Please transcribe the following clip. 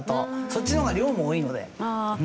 そっちの方が量も多いので。